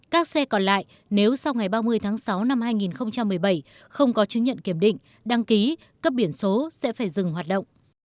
các xe còn lại nếu sau ngày ba mươi tháng sáu năm hai nghìn một mươi bảy không có chứng nhận kiểm định đăng ký cấp biển số sẽ phải dừng hoạt động